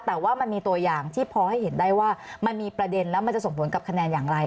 แต่ว่ามันมีตัวอย่างที่พอให้เห็นได้ว่ามันมีประเด็นแล้วมันจะส่งผลกับคะแนนอย่างไร